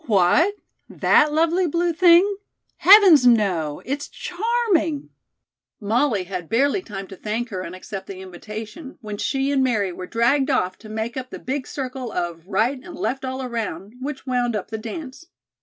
"What, that lovely blue thing? Heavens, no! it's charming " Molly had barely time to thank her and accept the invitation, when she and Mary were dragged off to make up the big circle of "right and left all around," which wound up the dance.